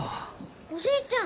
おじいちゃん！